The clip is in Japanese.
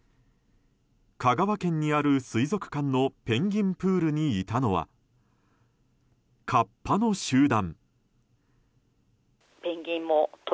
香川県にある水族館のペンギンプールにいたのはかっぱの集団。